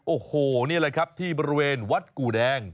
โอ้โหนี่แหละครับที่บริเวณวัดกู่แดง